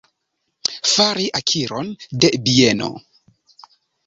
Fari akiron de bieno.